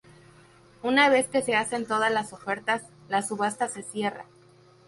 Una vez que se hacen todas las ofertas, la subasta se cierra.